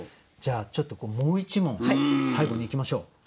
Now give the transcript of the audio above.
じゃあちょっともう一問最後にいきましょう。